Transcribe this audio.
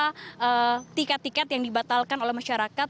ada tiket tiket yang dibatalkan oleh masyarakat